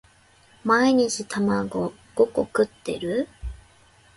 毎日卵五個食ってる？